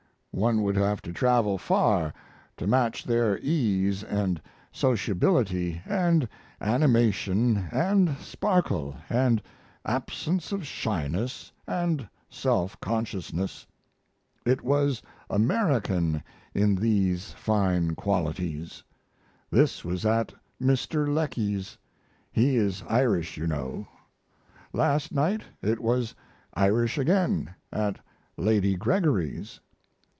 One would have to travel far to match their ease & sociability & animation & sparkle & absence of shyness & self consciousness. It was American in these fine qualities. This was at Mr. Lecky's. He is Irish, you know. Last night it was Irish again, at Lady Gregory's.